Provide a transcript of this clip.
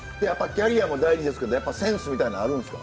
キャリアも大事ですけどやっぱセンスみたいなのあるんですか？